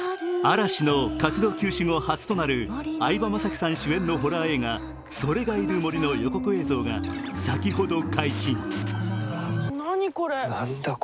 嵐の活動休止後初となる相葉雅紀さん主演のホラー映画「“それ”がいる森」の予告映像が先ほど解禁。